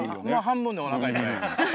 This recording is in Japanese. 半分でおなかいっぱい。